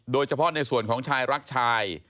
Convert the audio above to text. โดยเฉพาะในส่วนของชายรักชาย